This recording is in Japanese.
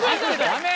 ダメ！